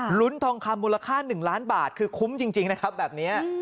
ลุ้นทองคำมูลค่า๑ล้านบาทคือคุ้มจริงนะครับแบบนี้